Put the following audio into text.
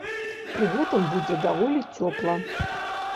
Пры гэтым будзе даволі цёпла.